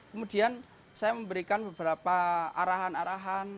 kemudian saya memberikan beberapa arahan arahan